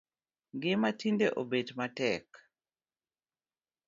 Ngima tinde obet matek